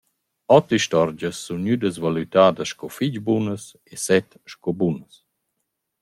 Ot istorgias sun gnüdas valütadas sco fich bunas e set sco bunas.